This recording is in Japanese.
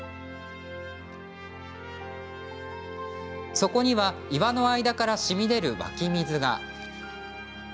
そこには岩の間からしみ出る湧き水が。